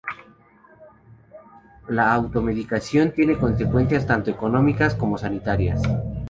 La auto medicación tiene consecuencias tanto económicas como sanitarias.